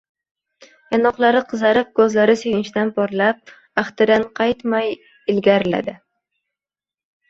Yanoqlari qizarib, ko`zlari sevinchdan porlab, ahdidan qaytmay ilgarilardi